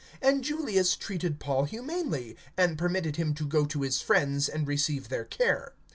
And Julius treated Paul humanely, and permitted him to go to his friends and receive their care.